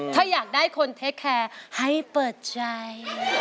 ถ้าอยากได้คนเทคแคร์ให้เปิดใจ